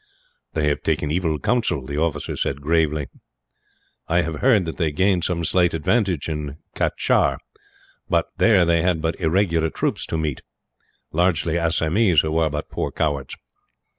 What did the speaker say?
"They have taken evil council," the officer said, gravely. "I have heard that they gained some slight advantage, in Cachar; but there they had but irregular troops to meet, largely Assamese, who are but poor cowards.